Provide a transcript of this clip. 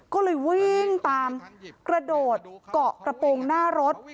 ก็เลยวิ่งตามกระโดดเกาะกระโปรงหน้ารถ